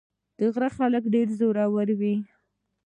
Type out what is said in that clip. د غره خلک ډېر زړور دي.